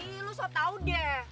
ih lo sok tau deh